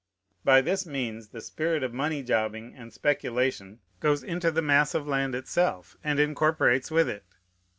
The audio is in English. By this means the spirit of money jobbing and speculation goes into the mass of land itself, and incorporates with it.